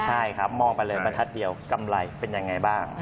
ใช่ครับมองไปเลยบรรทัศน์เดียวกำไรเป็นยังไงบ้าง